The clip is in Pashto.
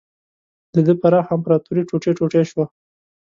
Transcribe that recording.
د ده پراخه امپراتوري ټوټې ټوټې شوه.